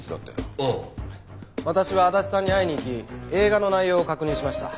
私は足立さんに会いに行き映画の内容を確認しました。